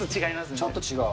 ちょっと違う。